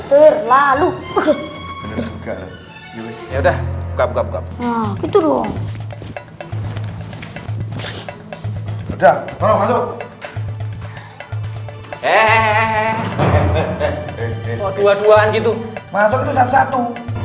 hehehe dua duaan gitu masuk satu satu